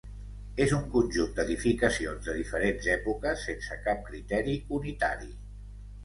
És un conjunt d'edificacions de diferents èpoques sense cap criteri unitari.